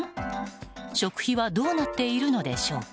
食費はどうなっているのでしょうか？